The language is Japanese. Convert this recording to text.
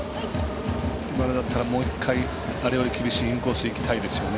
今のだったらもう１回、あれより厳しいインコースいきたいですよね。